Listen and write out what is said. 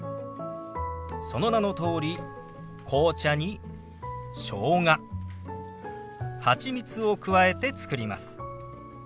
その名のとおり紅茶にしょうがハチミツを加えて作ります。